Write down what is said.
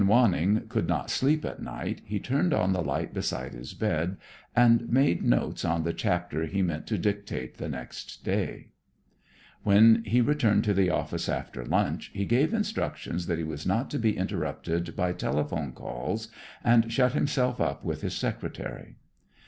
When Wanning could not sleep at night, he turned on the light beside his bed and made notes on the chapter he meant to dictate the next day. When he returned to the office after lunch, he gave instructions that he was not to be interrupted by telephone calls, and shut himself up with his secretary.